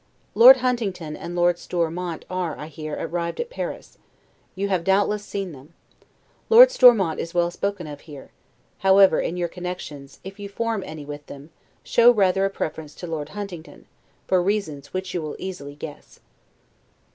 Lord Huntingdon and Lord Stormount are, I hear, arrived at Paris; you have, doubtless, seen them. Lord Stormount is well spoken of here; however, in your connections, if you form any with them, show rather a preference to Lord Huntingdon, for reasons which you will easily guess.